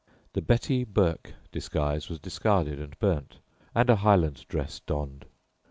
The "Betty Burke" disguise was discarded and burnt and a Highland dress donned.